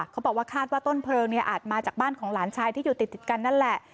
เขาบอกว่าคาดว่าต้นเพลิงเนี่ยอาจมาจากบ้านของหลานชายที่อยู่ติดกันนั่นแหละ